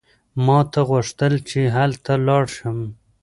ما ته غوښتل چې هلته لاړ شم.